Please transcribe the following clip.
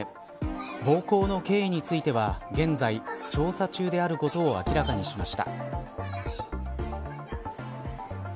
暴行の経緯については現在、調査中であることを明らかにしました。